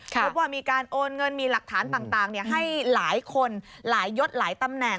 พบว่ามีการโอนเงินมีหลักฐานต่างให้หลายคนหลายยศหลายตำแหน่ง